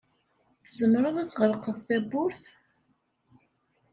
Tzemreḍ ad tɣelqeḍ tawwurt?